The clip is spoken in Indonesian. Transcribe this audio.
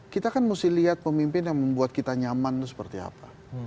kita kan mesti lihat pemimpin yang membuat kita nyaman itu seperti apa